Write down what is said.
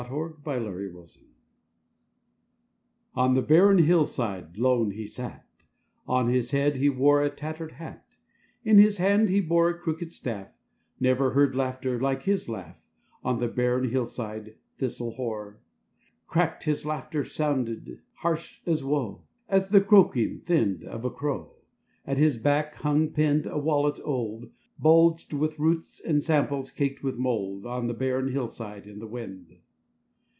THE OLD HERB MAN On the barren hillside lone he sat; On his head he wore a tattered hat; In his hand he bore a crooked staff; Never heard I laughter like his laugh, On the barren hillside, thistle hoar. Cracked his laughter sounded, harsh as woe, As the croaking, thinned, of a crow: At his back hung, pinned, a wallet old, Bulged with roots and simples caked with mould: On the barren hillside in the wind.